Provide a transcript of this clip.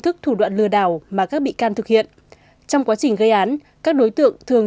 thức thủ đoạn lừa đảo mà các bị can thực hiện trong quá trình gây án các đối tượng thường